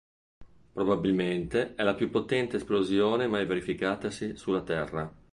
Probabilmente, è la più potente esplosione mai verificatasi sulla Terra.